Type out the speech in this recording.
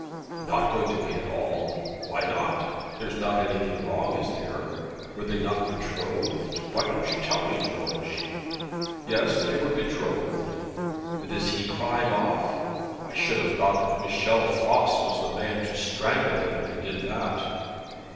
'Not going to be at all! Why not? There is not anything wrong, is there? Were they not betrothed? Why don't you tell me, George?' 'Yes; they were betrothed.' 'And is he crying off? I should have thought Michel Voss was the man to strangle him if he did that.'